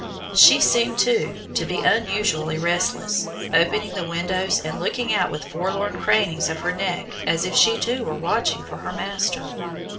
She seemed, too, to be unusually restless, opening the windows and looking out with forlorn cranings of her neck as if she too were watching for her master.